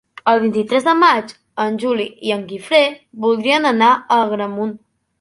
El vint-i-tres de maig en Juli i en Guifré voldrien anar a Agramunt.